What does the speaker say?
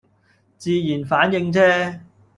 自然反應啫